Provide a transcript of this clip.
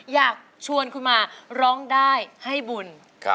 อยากชวนคุณมาร้องได้ให้บุญ